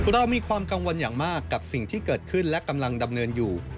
เรามีความกังวลอย่างมากกับสิ่งที่เกิดขึ้นและกำลังดำเนินอยู่